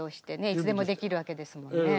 いつでもできるわけですもんね。